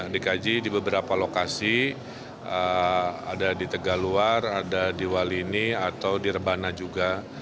dikaji di beberapa lokasi ada di tegaluar ada di walini atau di rebana juga